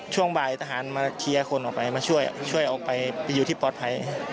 ช่วงบ่ายทหารมาเคลียร์คนออกไปมาช่วยช่วยออกไปไปอยู่ที่ปลอดภัย